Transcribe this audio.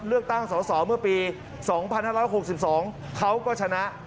เลือกตั้งสอสอเมื่อปี๒๕๖๒เขาก็ชนะ